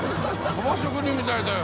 そば職人みたいだよ。